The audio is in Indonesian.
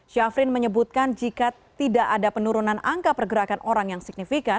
syafrin menyebutkan jika tidak ada penurunan angka pergerakan orang yang signifikan